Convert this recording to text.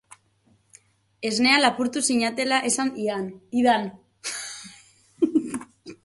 Esnea lapurtu zinatela esan hidan.